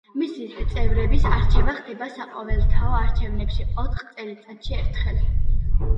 მისი წევრების არჩევა ხდება საყოველთაო არჩევნებში ოთხ წელიწადში ერთხელ.